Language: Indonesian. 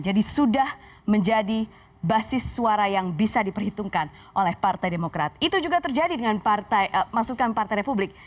jadi sudah menjadi basis suara yang bisa diperhitungkan oleh partai republik